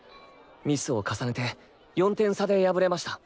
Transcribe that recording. ミスを重ねて４点差で敗れました。